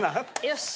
よし。